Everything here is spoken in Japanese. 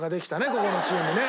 ここのチームね。